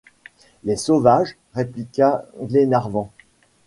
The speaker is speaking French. Les sauvages! répliqua Glenarvan.